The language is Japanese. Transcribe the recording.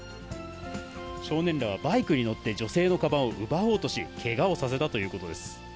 少年らはバイクに乗って女性のかばんを奪おうとし、けがをさせたということです。